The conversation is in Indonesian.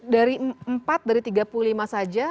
dari empat dari tiga puluh lima saja